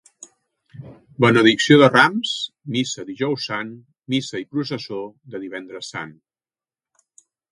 Benedicció de rams, missa Dijous Sant, missa i processó de Divendres Sant.